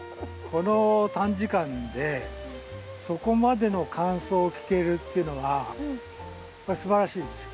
この短時間でそこまでの感想を聞けるっていうのがすばらしいですよ。